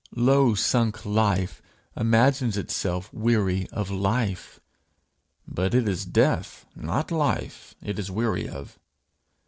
Low sunk life imagines itself weary of life, but it is death, not life, it is weary of.